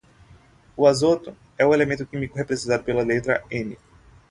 O azoto é o elemento químico representado pela letra N.